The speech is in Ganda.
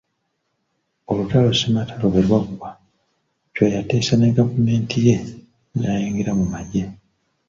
Olutalo Ssematalo bwe lwagwawo, Chwa yateesa ne Gavumenti ye, n'ayingira mu magye.